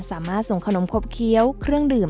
สามารถส่งขนมขบเคี้ยวเครื่องดื่ม